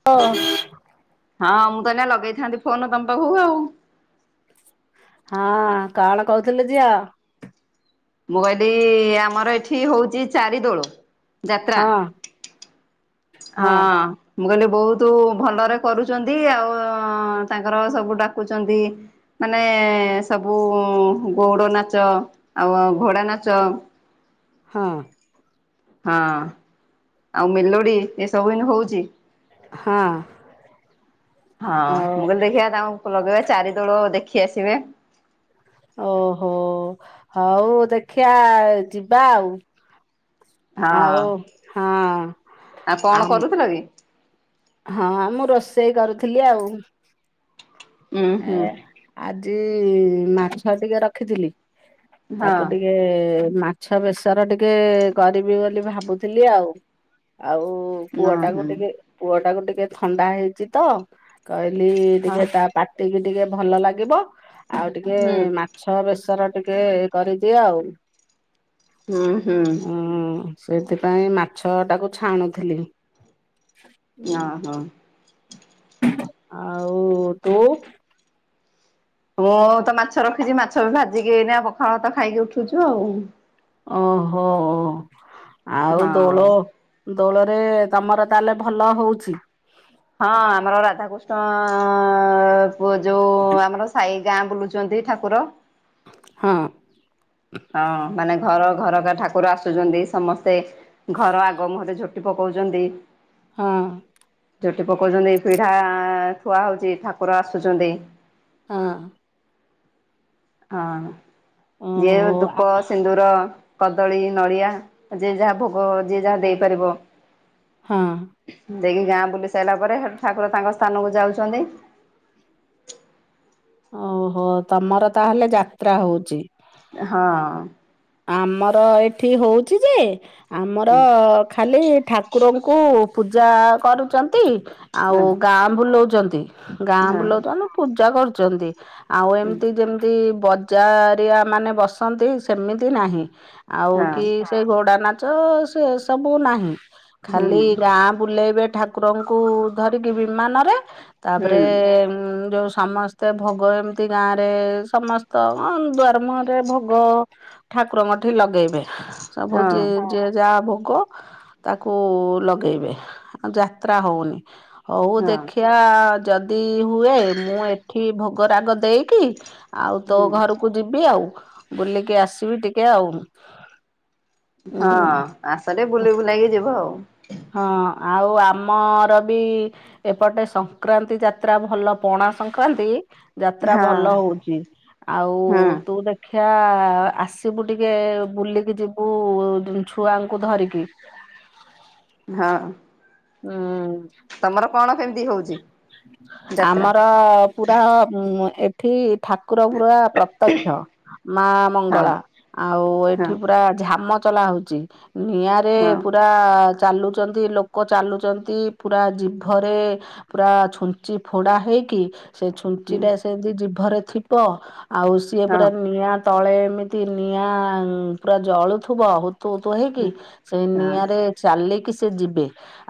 [inaudible] ହଁ ମୁଁ ତ ଏନା ଲଗେଇଥାନ୍ତି ଫୋନ ତମ ପାଖକୁ ଆଉ। ହଁ କଣ କହୁଥିଲୁ ଝିଅ। ମୁଁ କହିଲି ଆମର ଏଠି ହଉଛି ଚାରି ଦୋଳ ଯାତ୍ରା। ହଁ ହଁ। ମୁଁ କହିଲି ବହୁତ ଭଲରେ କରୁଛନ୍ତି ଆଉ ତାଙ୍କର ସବୁ ଡାକୁଛନ୍ତି ମାନେ ସବୁ ଗଉଡ଼ ନାଚ ଆଉ ଘୋଡ଼ା ନାଚ। ହଁ। ହଁ ଆଉ ମେଲୋଡି ଏସବୁ ଏନେ ହଉଛି। ହଁ। ହଁ ଆଉ ମୁଁ କହିଲି ଦେଖିବା ତାଙ୍କୁ ଲଗେଇବା ଚାରି ଦୋଳ ଦେଖି ଆସିବେ। ଓହୋ ହଉ ଦେଖିଆ ଯିବା ଆଉ। ଆଉ ହଁ ହଁ ଆଉ କଣ ଆମ କରୁଥିଲ କି? ହଁ ମୁଁ ରୋଷେଇ କରୁଥିଲି ଆଉ। ଉଁ ଏ ହୁଁ ଆଜି ମାଛ ଟିକେ ରଖିଥିଲି। ହଁ ତାକୁ ଟିକେ ମା ମାଛ ବେଶର ଟିକେ କରିବି ବୋଲି ଭାବୁଥିଲି ଆଉ ଆଉ। ପୁଅ ହଁ ଟାକୁ ହୁଁ ଟିକେ ପୁଅ ଟାକୁ ଟିକେ ଥଣ୍ଡା ହେଇଛି ତ। କହିଲି ହଁ ଟିକେ ତା ଟିକି ଟିକେ ଭଲ ଲାଗିବ ଆଉ ଟିକେ ହୁଁ। ମା ଛଅ ବେଶର ଟିକେ କରିଦିଏ ଆଉ ହୁଁ ହୁଁ ହୁଁ। ସେଥିପାଇଁ ମାଛ ଟାକୁ ଛାଣୁଥିଲି। ହଁ ହଁଉ। ଆଉ ତୁ। ମୁଁ ତ ମାଛ ରଖିଛି ମାଛ ବି ଭାଜିକି ପଖାଳ ଭାତ ଖାଇକି ଉଠୁଛୁ ଆଉ। ଓହୋ! ଆଉ ହଁ ଦୋଳ ଦୋଳରେ ତମର ତାହେଲେ ଭଲ ହଉଛି। ହଁ ଆମର ରାଧାକୃଷ୍ଣ ପୁଅ ଯୋଉ ଆମର ସାଇହି ଗାଁ ବୁଲୁଛ ଛନ୍ତି ଠାକୁର। ହଁ। ହଁ ମାନେ ଘର ଘରକା ଠାକୁର ଆସୁଛନ୍ତି ସମସ୍ତେ ଘର ଆଗ ମୁହରେ ଝୋ- ଟି ପକଉଛନ୍ତି। ହଁ। ଝୋଟି ପକଉଛନ୍ତି ପିଢା ଥୁଆ ହଉଛି ଠାକୁର ଆସୁଛନ୍ତି। ହଁ। ହଁ ଓହୋ ଯିଏ ଧୂପ, ସିନ୍ଦୁର କଦଳୀ, ନଡ଼ିଆ ଯିଏ ଯାହା ଭୋଗ ଯିଏ ଯାହା ଦେଇପାରିବ। ହଁ। ଦେଇକି ଗାଁ ବୁଲି ସାଇଲା ପରେ ସେଇଠୁ ଠାକୁର ତାଙ୍କ ସ୍ଥାନକୁ ଯାଉଛନ୍ତି। ଓହୋ, ତମର ତାହେଲେ ଯାତ୍ରା ହଉଚି। ହଁ। ଆମର ଏଠି ହଉଚି ଯେ, ଆମର ଖାଲି ଠା କୁରଙ୍କୁ ପୂଜା କରୁଚନ୍ତି ହଁ ଆଉ ଗାଁ ବୁଲୋଉଚନ୍ତି। ଗାଁ ହଁ ବୁଲୋଉଚ [unintelligible] ପୂଜା କରୁଚନ୍ତି, ଆଉ ହୁଁ ହୁଁ ଏମ୍ତି ଯେମ୍ତି ଚାରିଆ ମାନେ ବସନ୍ତି ସେମିତି ନାହିଁ, ଆଉ କି ସେ ଘୋଡ଼ା ନାଚ ସେ ସବୁ ନାହିଁ, ଖାଲି ଗାଁ ବୁଲେଇବେ ଠାକୁରଙ୍କୁ ଧରିକି ବିମାନରେ ତାପରେ ଯୋଉ ସମ ସ୍ତେ ଭୋଗ ଏମ୍ତି ଗାଁରେ ସମସ୍ତ କ ଦୁଆର ମୁହଁରେ ଭୋଗ ଠାକୁରଙ୍କ ଠେଇ ଲଗେଇବେ ସବୁ ହଁ ଯିଏ ଯାହା ଭୋଗ ତାକୁ ଲଗେଇବେ, ଆଉ ଯାତ୍ରା ହଉନି ହଉ ହଁ ଦେଖିଆ। [unintelligible] ଯଦି ହୁଏ ମୁଁ ଏଠି ଭୋଗ ରାଗ ଦେଇକି ଆଉ ତୋ ହୁଁ ଘରକୁ ଯିବି ଆଉ, ବୁଲିକି ଆସିବି ଟିକେ ଆଉ। ହଁ, ହୁଁ ଆସ ଟିକେ ବୁଲି ବୁଲା ହେଇକି ଯିବ ଆଉ। ହଁ ଆଉ ଆମର ବି ଏପଟେ ସଂକ୍ରାନ୍ତି ଯାତ୍ରା ଭଲ ପଣା ସଂକ୍ରାନ୍ତି ଯାତ୍ରା ହଁ ଭଲ ହଉଚି, ଆଉ ହୁଁ ତୁ [unintelligible] [unintelligible] ଆସିବୁ ଟିକେ ବୁଲିକି ଯିବୁ ଛୁଆଙ୍କୁ ଧରିକି। ହଁ। ହୁଁ। ତମର କଣ କେମିତି ହଉଛି ଯାତ୍ରା? ଆମର ପୁରା ଏ ଠି ଠାକୁର ପୁରା ପ୍ରତ୍ୟକ୍ଷ ମା ହଁ ମଙ୍ଗଳା, ଆଉ ହଁ ଏଠି ପୁରା ଝାମ ଚଲା ହଉ ଚି ନିଆଁରେ ହଁ ପୁରା ଚାଲୁଚନ୍ତି ଲୋ କ ଚାଲୁଚନ୍ତି ପୁରା ଜିଭରେ ପୁରା ଛୁଞ୍ଚି ଫୋଡା ହେଇକି ସେ ହୁଁ ଛୁଞ୍ଚିଟା ସେନ୍ତି ଜିଭରେ ଥିବ, ଆଉ ସିଏ ହଁ ପୁରା ନିଆଁ ତଳେ ଏମିତି ନିଆଁ ପୁରା ଜଳୁଥିବ, ହୁ ତୁ ହୁତୁ ହେଇକି ହଁ ସେ ହଁ ନିଆଁରେ ଚାଲିକି ସେ ଯିବେ,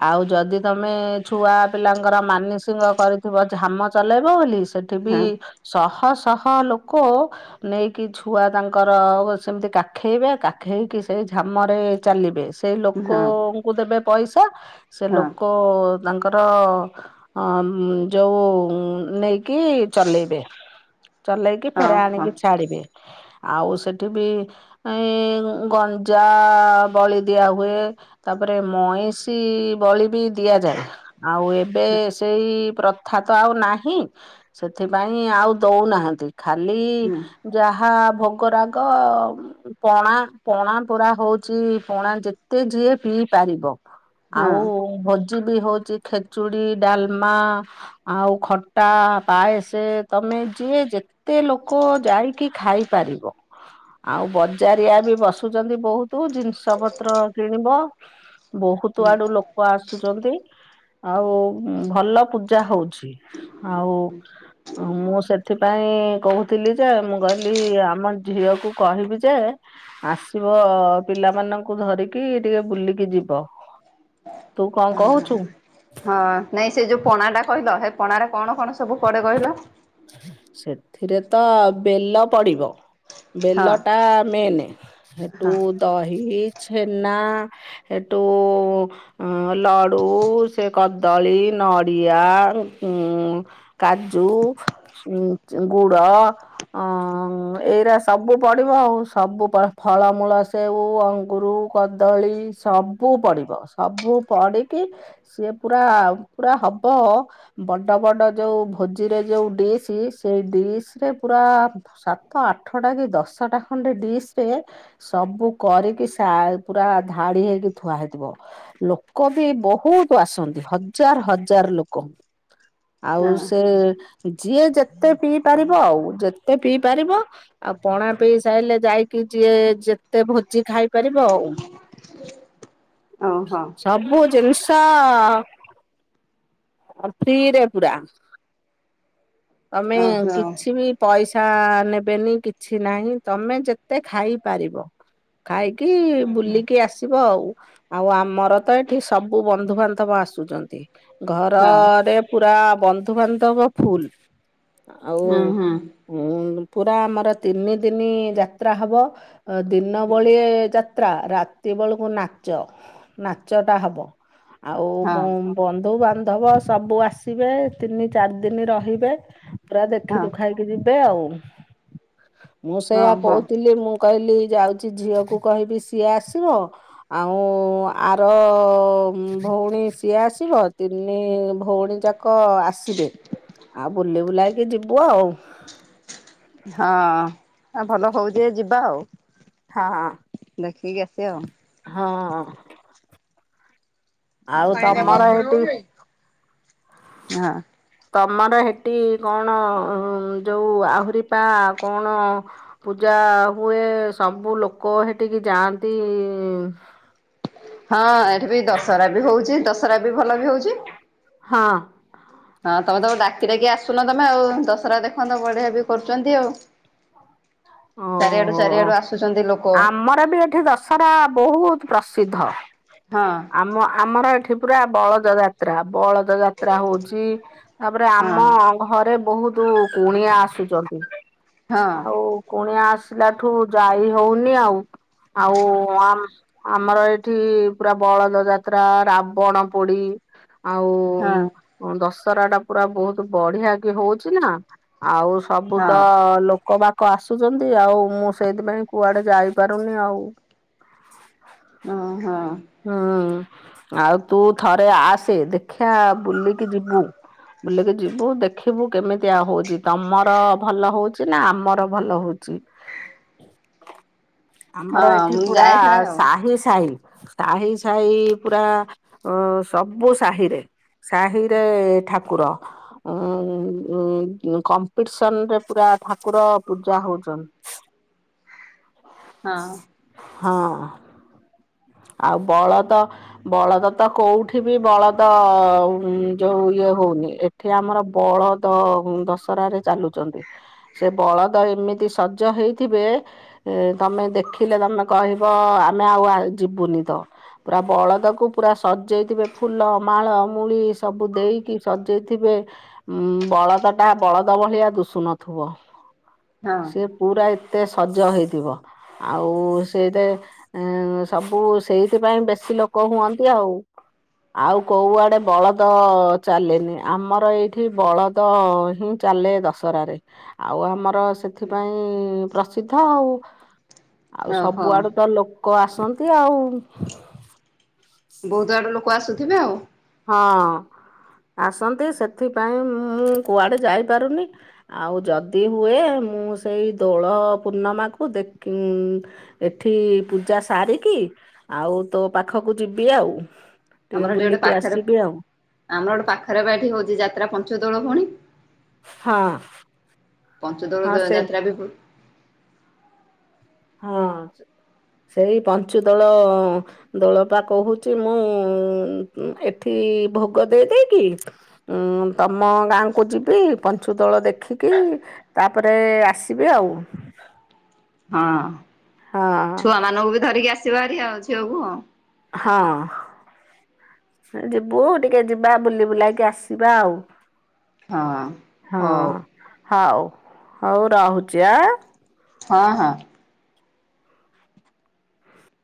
ଆଉ ଯଦି ତମେ ଛୁଆ ପିଲାଙ୍କର ମାନିସିଙ୍କ କରିଥିବ ଝାମ ଚଲେଇବ ବୋଲି ସେଠି ବି ହଁ ଶହ-ଶହ ଲୋକ ନେଇକି ଛୁଆ ତାଙ୍କର ସେମ୍ତି କାଖେଇବେ, କାଖେଇକି ସେଇ ଝାମରେ ଚାଲିବେ। ସେଇ ହଁ ହଁ ଲୋକଙ୍କୁ ଦେବେ ପଇସା, ସେ ଲୋକ ତାଙ୍କର ହଁ ଯୋଉ ନେଇକି ଚଲେଇବେ। ଚଲେଇକି ଫେରେ ହଁ ଆଣିକି ଛାଡିବେ, ଆଉ ସେଠି ବି ଏ ଗଞ୍ଜା ବଳି ଦିଆ ହୁଏ, ତାପରେ ମଇଁ ଷି ବଳି ବି ଦିଆଯାଏ, ଆଉ ଏବେ ସେଇ ପ୍ର ଥା ତ ଆଉ ନାହିଁ ସେଥିପାଇଁ ଆଉ ଦଉନାହାନ୍ତି, ଖାଲି ହଁ ଯାହା ଭୋଗରାଗ ପଣା ପଣା ପୁରା ହଉଚି ପଣା ଯେତେ ଯିଏ ପିଇ ପାରିବ। ଆଉ ହଁ ଭୋଜି ବି ହଉଚି ଖେଚୁଡି, ଡାଲମା ଆଉ ଖଟା, ପାଏସେ ତମେ ଯିଏ ଯେ ତେ ଲୋକ ଯାଇକି ଖାଇପାରିବ, ଆଉ ବଜାରିଆ ବି ବସୁଚନ୍ତି ବହୁ ତୁ ଜିନିଷ ପତ୍ର କିଣିବ, ବହୁତୁ ଆଡୁ ଲୋ କ ଆସୁଚନ୍ତି ଆଉ ଭଲ ପୂଜା ହଉଛି। ଆଉ ମୁଁ ସେଥିପାଇଁ କହୁ ଥିଲି ଯେ ମୁଁ କହିଲି ଆମ ଝିଅକୁ କହିବି ଯେ ଆସିବ ପିଲାମାନଙ୍କୁ ଧରିକି ଟିକେ ବୁଲିକି ଯିବ। ତୁ କଣ କହୁଛୁ? [inaudible] ହଁ ନାଇଁ ସେ ଯୋଉ ପଣା ଟା କହିଲ ସେ ପଣାରେ କଣ କଣ ସବୁ ପଡେ କହିଲ। ସେଥିରେ ତ ବେଲ ପଡିବ। ହଁ ବେଲ ଟା ମେନ୍ ହଁ ସେଠୁ ଦହି ଛେନା। ଏଟୁ ଅ ଲଡୁ ସେ କଦଳୀ ନଡିଆ ଉ କାଜୁ ଗୁଡ। ଅ ଏଇରା ସବୁ ପଡିବ ଆଉ ସବୁ ଫଳମୂଳ ସେଉ ଅଙ୍ଗୁରୁ କଦଳୀ ସବୁ ପଡିବ ସବୁ ପଡିକି ସିଏ ପୁରା ପୁରା ହବ ବଡ ବଡ ଯୋଉ ଭୋଜିରେ ଯୋଉ ଡିସ୍ ସେଇ ଡିସ୍ ରେ ପୁରା ସାତ ଆଠଟା କି ଦଶଟା ଖଣ୍ଡେ ଡିସ୍ ରେ ସବୁ କରିକି ସା ପୁରା ଧାଡି ହେଇକି ଥୁଆ ହେଇଥିବ। ଲୋକ ବି ବହୁତ ଆସନ୍ତି ହଜାର ହଜାର ଲୋକ। ଆଉ ହଁ ସେ ଯିଏ ଯେତେ ପିଇ ପାରିବ ଆଉ ଯେତେ ପିଇ ପାରିବ। ଆଉ ପଣା ପିଇ ସାରିଲେ ଯାଇକି ଯିଏ ଯେତେ ଭୋଜି ଖାଇପାରିବ ଆଉ। [inaudible] ଓହୋ ସବୁ ଜିନିଷ ଫ୍ରିରେ ପୁରା। ଆମେ ଓହୋ କିଛି ବି ପଇସା ନେବେନି କିଛି ନାହିଁ ତମେ ଯେତେ ଖାଇପାରିବ। ଖାଇକି ବୁଲିକି ଆସିବ ଆଉ। ଆଉ ଆମର ତ ଏଠି ସବୁ ବନ୍ଧୁବାନ୍ଧବ ଆସୁଛନ୍ତି ହଁ ଘରରେ ପୁରା ବନ୍ଧୁବାନ୍ଧବ ଫୁଲ ଆଉ ହୁଁ ହୁଁ ଉ ପୁରା ଆମର ତିନି ଦିନି ଯାତ୍ରା ହବ ଦିନ ବଳି ଯ ଯାତ୍ରା ରାତି ବେଳକୁ ନାଚ ନାଚ ଟା ହବ ଆଉ ହଁ ମୁଁ ବନ୍ଧୁ ବାନ୍ଧବ ସବୁ ଆସିବେ ତିନି ଚାରି ଦିନ ରହିବେ। ପୁରା ଦେଖି ହଁ ଦୁଖାଇକି ଯିବେ ଆଉ ମୁଁ ହଁ ସେଇଆ ହଁ ହଁ କହୁଥିଲି ମୁଁ କହିଲି ଯାଉଛି ଝିଅ କୁ କହିବି ସିଏ ଆସିବ। ଆଉ ଆର ଭଉଣୀ ସିଏ ଆସିବ ତିନି ଭଉଣୀ ଯାକ କ ଆସିବେ ଆଉ ବୁଲି ବୁଲାକି ଯିବୁ ଆଉ। ହଁ ଆ ଭଲ ହଉଛି ଯଦି ଯିବା ଆଉ। ହଁ ହଁ ଦେଖିକି ଆସିଆ ଆଉ। ହଁ ଆଉ ତମର ହେଟି [unintelligible] ହଁ ତମର ହେଠି କଣ ଯୋଉ ଆହୁରି ପା କଣ? ପୂଜା ହୁଏ ସବୁ ଲୋକ ହେଠିକି ଯାଆନ୍ତି। ହଁ ଏଠି ବି ଦଶହରା ବି ହଉଛି ଦଶହରା ବି ଭଲ ବି ହଉଛି। ହଁ ହଁ ତମେ ତମ ଡାକିଡାକି ଆସୁନ ତମେ ଆଉ ଦଶହରା ଦେଖନ୍ତ ବଢିଆ ବି କରୁଛନ୍ତି ଆଉ। ଚାରିଆଡୁ ଓହୋ ଚାରିଆଡୁ ଆସୁଛନ୍ତି ଲୋକ। ଆମର ବି ଏଠି ଦଶହରା ବହୁତ ପ୍ରସିଦ୍ଧ। ହଁ ଆମ ଆମର ଏଠି ପୁରା [unintelligible] ବଳଦ ଯାତ୍ରା ହଉଛି ତାପରେ ହଁ ଆମ ଘରେ ବହୁତ କୁଣିଆ ଆସୁଛନ୍ତି। ହଁ ଆଉ କୁଣିଆ ଆସିଲା ଠୁ ଯାଇ ହଉନି ଆଉ ଆଉ ଆ ଆମର ଏଇଠି ପୁରା ବଳଦ ଯାତ୍ରା ରାବଣ ପୋଡି ଆଉ ହଁ। ଉଁ ଦଶହରା ଟା ପୁରା ବହୁତ ବଢିଆ କି ହଉଚ଼ି ନା ଆଉ ସବୁ ହଁ ତ ଲୋ କବାକ ଆସୁଚନ୍ତି ଆଉ ମୁଁ ସେଇଥିପାଇଁ କୁଆଡେ ଯାଇପାରୁନି ଆଉ। ଉ ହୁଁ। ହୁଁ ଆଉ ତୁ ଥରେ ଆସେ ଦେଖିଆ ବୁଲିକି ଯିବୁ। ବୁଲିକି ଯିବୁ ଦେଖିବୁ କେମିତିଆ ହଉଚି ତମର ଭଲ ହଉଚି ନା ଆମର ଭଲ ହଉଚି। ଆମର ହଁ ଏଠି ମୁଁ ପୁରା ଯାଏ ଥରେ ଆଉ ସାହି ସାହି ସାହି ସାହି ପୁରା ଅ ସବୁ ସାହିରେ ସାହିରେ ଠାକୁର। ଉଁ କମ୍ପିଟିସନରେ ପୁରା ଠାକୁର ପୂଜା ହଉଚନ୍ତି। ହଁ। ହଁ। ଆଉ ବଳଦ ବଳଦ ତ କୋଉଠି ବି ବଳଦ ଉଁ ଯୋଉ ଇଏ ହଉନି। ଏଠି ଆମର ବଳଦ ଉଁ ଦଶହରାରେ ଚାଲୁଚନ୍ତି। ସେ ବଳଦ ଏମିତି ସଜ ହେଇଥିବେ ଏ ତମେ ଦେଖିଲେ ତମେ କହିବ ଆମେ ଆଉ ଆ ଯିବୁନି ତ। ପୁରା ବଳଦକୁ ପୁରା ସଜେଇଥିବେ ଫୁଲ ମାଳ ମୂଳି ସବୁ ଦେଇକି ସଜେଇଥିବେ। ଉଁ ବଳଦ ଟା ବଳଦ ଭଳିଆ ଦୁଷୁ ନଥିବ ହଁ ସେ ପୁରା ଏତେ ସଜ ହେଇଥିବ ଆଉ ସେଇଦେ ଏଁ ସବୁ ସେଇଥିପାଇଁ ବେଶୀ ଲୋକ ହୁଅନ୍ତି ଆଉ। ଆଉ କୋଉଆଡେ ବଳଦ ଚାଲେନି ଆମର ଏଇଠି ବଳଦ ହିଁ ଚାଲେ ଦଶହରାରେ ଆଉ ଆମର ସେ ସେଥିପାଇଁ ପ୍ରସିଦ୍ଧ ଆଉ ଆଉ ଓହୋ ସବୁଆଡୁ ତ ଲୋକ ଆସ ନ୍ତି ଆଉ ବହୁତ ଆଡୁ ଲୋକ ଆସୁଥିବେ ଆଉ। ହଁ ଆସନ୍ତି ସେଥିପାଇଁ ମୁଁ କୁଆଡେ ଯାଇପାରୁନି ଆଉ ଯଦି ହୁଏ ମୁଁ ସେଇ ଦୋଳ ପୂର୍ଣ୍ଣମାକୁ ଦେଖି ଇଁ ଏଠି ପୂଜା ସାରିକି ଆଉ ତୋ ପାଖକୁ ଯିବି ଆଉ। ଟିକେ ଆମର ଏଠି ଗୋଟେ ବୁଲିକି ପାଖରେ ଆସିବି ଆଉ ଆମର ଗୋଟେ ପାଖରେ ବା ଏଠି ହଉଛି ଯାତ୍ରା ପଞ୍ଚଦୋଳ ଭଉଣୀ। ହଁ। ପଞ୍ଚଦୋଳ ହଁ ଦ ସେ ଯାତ୍ରା ବି ହଁ ସେଇ ପଞ୍ଚୁଦୋଳ ଦୋଳପା କହୁଚି ମୁଁ ଏଠି ଭୋଗ ଦେଇଦେଇକି ଉଁ ତମ ଗାଁକୁ ଯିବି ପଞ୍ଚୁଦୋଳ ଦେ ଖିକି ତାପରେ ଆସିବି ଆଉ। ହଁ ହଁ ଛୁଆ ମାନଙ୍କୁ ବି ଧରିକି ଆସିବହାରି ଆଉ ଝିଅକୁ ଆଉ। ହଁ। ଯିବୁ ଟିକେ ଯିବା ବୁଲି ବୁଲାକି ଆସିବା ଆଉ। ହଁ ହଁ ହଉ ହଉ ହଉ ରହୁଚି ଆ। ହଁ ହଁ।